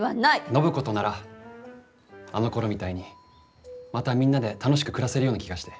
暢子とならあのころみたいにまたみんなで楽しく暮らせるような気がして。